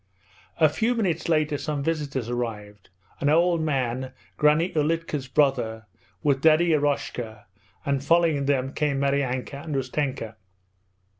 A few minutes later some visitors arrived: an old man, Granny Ulitka's brother, with Daddy Eroshka, and following them came Maryanka and Ustenka.